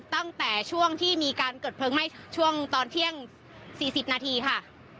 ตั้งแต่ช่วงที่มีการเกิดเพลิงไหม้ช่วงตอนเที่ยง๔๐นาทีค่ะ